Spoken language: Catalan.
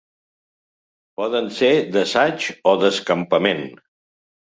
Poden ser d'assaig o d'escampament.